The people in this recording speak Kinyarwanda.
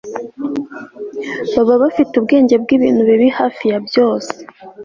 Baba bafite ubwenge bwibintu bibi hafi ya byose